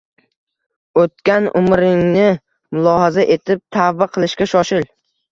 O‘tgan umringni mulohaza etib, tavba qilishga shoshil.